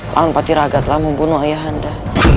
pak man patiraga telah membunuh ayahanda